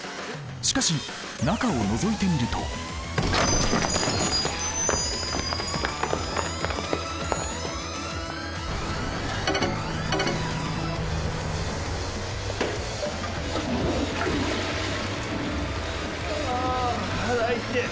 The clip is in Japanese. しかし中をのぞいてみるとあ腹痛え。